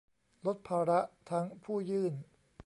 ลดภาระทั้งผู้ยื่น